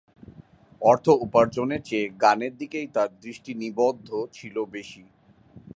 অর্থ উপার্জনের চেয়ে গানের দিকেই তার দৃষ্টি নিবদ্ধ ছিল বেশি।